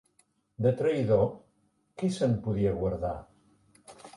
De traïdor, qui se'n podia guardar?